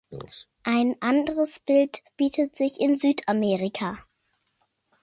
Ein anderes Bild bietet sich in Südamerika.